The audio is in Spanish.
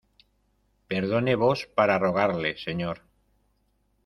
perdone vos, para rogarle , señor...